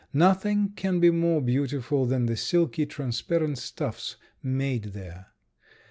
Nothing can be more beautiful than the silky, transparent stuffs made there.